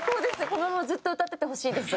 このままずっと歌っててほしいです。